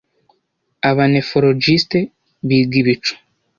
Abanefologiste biga Ibicu